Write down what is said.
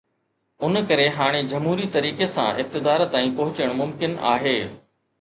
ان ڪري هاڻي جمهوري طريقي سان اقتدار تائين پهچڻ ممڪن آهي.